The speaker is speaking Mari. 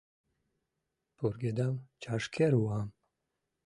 Пургедам чашкер-уам